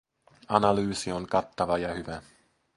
Analyysi on kattava ja hyvä.